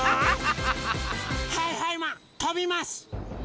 はいはいマンとびます！